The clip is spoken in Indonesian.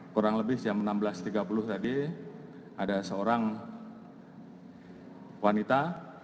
kurang lebih jam enam belas tiga puluh tadi ada seorang wanita